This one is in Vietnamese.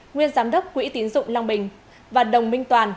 nguyên giám đốc quỹ tiến dụng long bình và đồng minh toàn